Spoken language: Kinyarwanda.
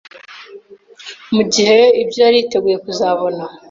mu gihe ibyo yari yiteguye kuzabona